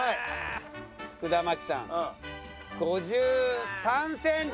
福田麻貴さん５３センチ。